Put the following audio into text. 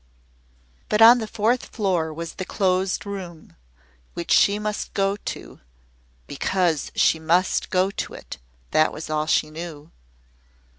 But on the fourth floor was the Closed Room, which she must go to because she must go to it that was all she knew.